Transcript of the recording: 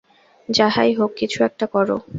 যাহাই হউক কিছু একটা কর।